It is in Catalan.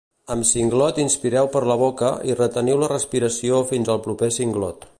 Amb singlot inspireu per la boca i reteniu la respiració fins el proper singlot